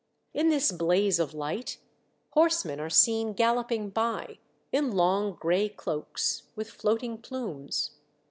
In this blaze of light, horsemen are seen galloping by, in long gray cloaks, with floating plumes.